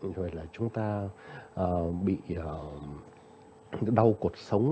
hay là chúng ta bị đau cuộc sống